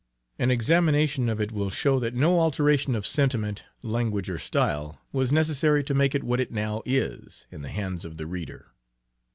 An examination of it will show that no alteration of sentiment, language or style, was necessary to make it what it now is, in the hands of the reader.